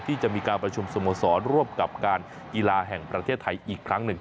ที่จะมีการประชุมสโมสรร่วมกับการกีฬาแห่งประเทศไทยอีกครั้งหนึ่ง